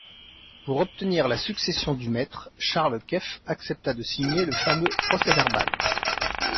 Pour obtenir la succession du Maître, Charles Quef accepta de signer le fameux procès-verbal.